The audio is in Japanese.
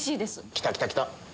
来た来た来た。